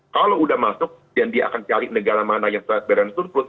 kalau sudah masuk dan dia akan cari negara mana yang beran surplus